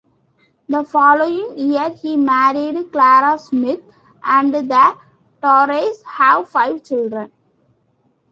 The following year, he married Clara Smith, and the Torreys had five children.